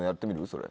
それ。